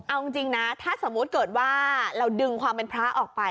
เอาจริงนะถ้าสมมุติเกิดว่าเราดึงความเป็นพระออกไป